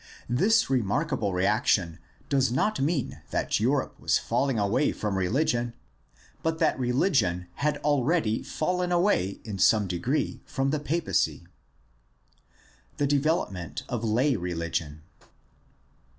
This remarkable reaction does not mean that Europe was falling away from religion but that religion had already fallen away in some degree from the papacy. The development of lay religion.